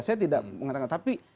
saya tidak mengatakan tapi